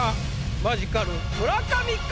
マヂカル村上か？